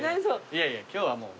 いやいや今日はもう。